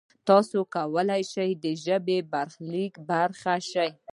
تاسو کولای شئ د ژبې د برخلیک برخه شئ.